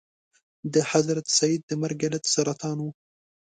د حضرت سید د مرګ علت سرطان و.